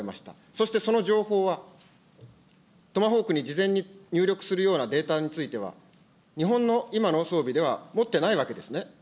そしてその情報は、トマホークに事前に入力するようなデータについては、日本の今の装備では持ってないわけですね。